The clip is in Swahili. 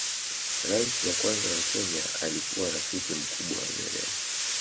rais wa kwanza wa kenya alikuwa rafiki mkubwa wa nyerere